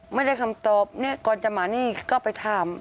ไม่ได้คำตอบเนี่ยก่อนจะมานี่ก็ไปถาม